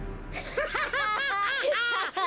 ハハハハハ！